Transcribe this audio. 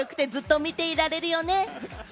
カッコよくて、ずっと見ていられるよね。